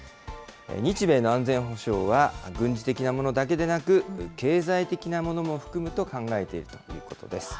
日米の安全保障は、軍事的なものだけでなく、経済的なものも含むと考えているということです。